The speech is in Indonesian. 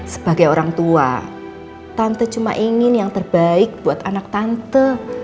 sebagai orang tua tante cuma ingin yang terbaik buat anak tante